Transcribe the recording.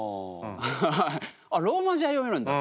あっローマ字は読めるんだと。